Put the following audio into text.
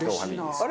あれ？